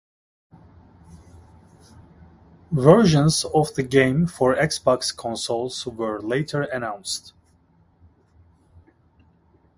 Versions of the game for Xbox consoles were later announced.